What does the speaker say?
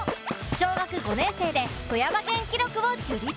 小学５年生で富山県記録を樹立。